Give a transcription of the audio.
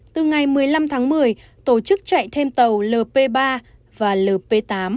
từ ngày một mươi năm tháng một mươi tổ chức chạy thêm tàu lp ba và lp tám